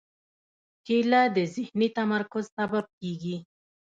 کېله د ذهني تمرکز سبب کېږي.